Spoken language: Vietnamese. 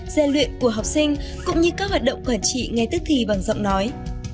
gian luyện của học sinh cũng như các hoạt động quản trị ngay tức thì bằng giọng nói